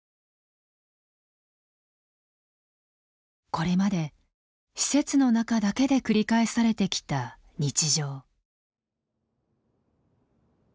これまで施設の中だけで繰り返されてきた日常。